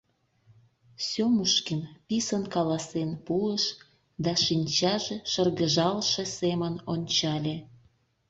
— Сёмушкин писын каласен пуыш да шинчаже шыргыжалше семын ончале.